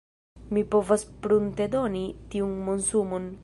Mi povas pruntedoni tiun monsumon.